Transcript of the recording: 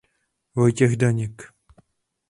Vojtěch Daněk.